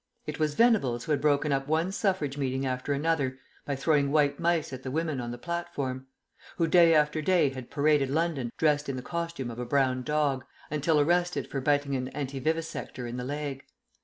It was Venables who had broken up one Suffrage meeting after another by throwing white mice at the women on the platform; who day after day had paraded London dressed in the costume of a brown dog, until arrested for biting an anti vivisector in the leg.